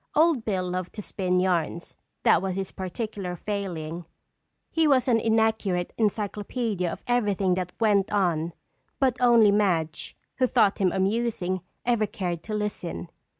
Old Bill loved to spin yarns—that was his particular failing. He was an inaccurate encyclopaedia of everything that went on, but only Madge, who thought him amusing, ever cared to listen.